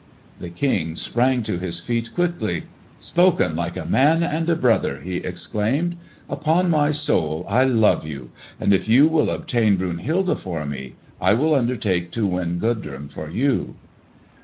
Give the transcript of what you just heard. The King sprang to his feet quickly. "Spoken like a man and a brother!" he exclaimed. "Upon my soul, I love you! And if you will obtain Brunhilde for me, I shall undertake to win Gudrun for you."